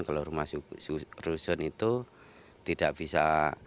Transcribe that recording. kalau rumah rusun itu tidak bisa